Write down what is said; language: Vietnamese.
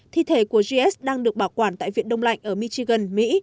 thi thể của gs đang được bảo quản tại viện đông lạnh ở michigan mỹ